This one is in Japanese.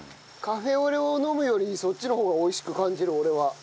カフェオレを飲むよりそっちの方が美味しく感じる俺は。